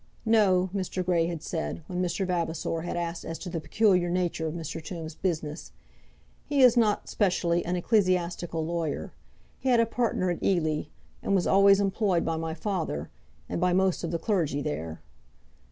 "No;" Mr. Grey had said, when Mr. Vavasor had asked as to the peculiar nature of Mr. Tombe's business; "he is not specially an ecclesiastical lawyer. He had a partner at Ely, and was always employed by my father, and by most of the clergy there."